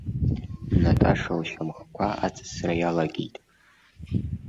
Наташа лшьамхқәа аҵысра иалагеит.